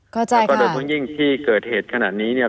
แล้วก็โดยเพราะยิ่งที่เกิดเหตุขนาดนี้เนี่ย